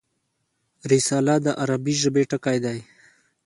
رساله د عربي ژبي ټکی دﺉ.